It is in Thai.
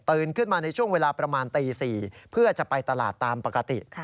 ขึ้นมาในช่วงเวลาประมาณตี๔เพื่อจะไปตลาดตามปกติ